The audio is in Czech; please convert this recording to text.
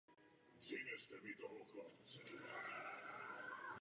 Děj se odehrává dvacet let po událostech ve hře.